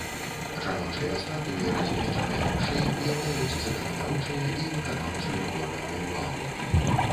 Жаночыя статуі, размешчаныя вышэй, уяўляюць заканадаўчыя і выканаўчыя органы ўлады.